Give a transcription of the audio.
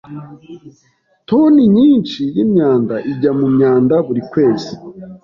Toni nyinshi yimyanda ijya mumyanda buri kwezi.